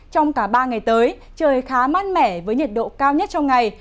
trong cả ba ngày tới trời khá mát mẻ với nhiệt độ cao nhất trong ngày